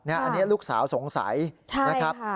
อันนี้ลูกสาวสงสัยนะครับ